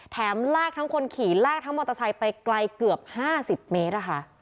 ลากทั้งคนขี่ลากทั้งมอเตอร์ไซค์ไปไกลเกือบ๕๐เมตร